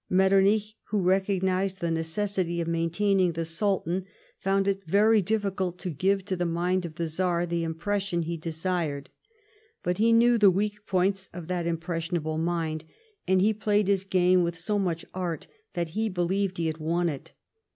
Metternich, who recognised the necessity of maintaining the >*^ultan, found it very difficult to give to the mind of the Czar the impression he desired. But he knew the weak points of that impressionable mind, and he played his game with so much art that he believed he had won it.